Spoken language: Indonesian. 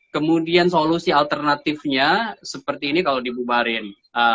kemudian solusi alternatifnya seperti ini kalau dibubarin